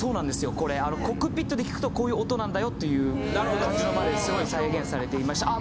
これあのコックピットで聞くとこういう音なんだよという感じまですごい再現されていましてああ